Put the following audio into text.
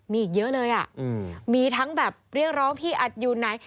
มีอีกเยอะเลยอ่ะมีทั้งแบบเรียกร้องพี่อัดอยู่ไหน